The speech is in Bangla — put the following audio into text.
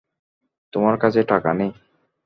তোমার কাছে টাকা নেই?